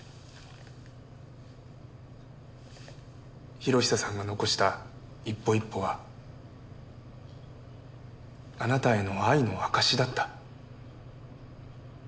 博久さんが残した一歩一歩はあなたへの愛の証しだった。